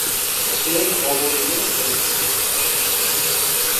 সে ভবঘুরে হয়ে গেলো।